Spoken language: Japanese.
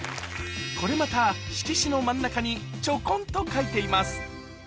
これまた色紙の真ん中にちょこんと描いています